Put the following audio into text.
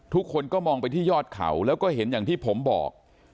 ทุกคนก็มองไปที่ยอดเขาแล้วก็เห็นอย่างที่ผมบอก